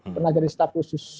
pernah jadi staff khusus